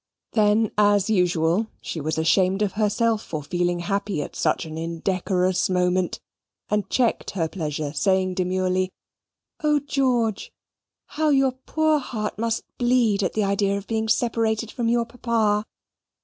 Then, as usual, she was ashamed of herself for feeling happy at such an indecorous moment, and checked her pleasure, saying demurely, "O, George, how your poor heart must bleed at the idea of being separated from your papa!"